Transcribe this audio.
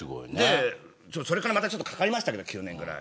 それから、またちょっとかかりましたけど、９年くらい。